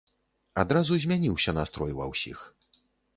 Адразу змяніўся настрой ва ўсіх.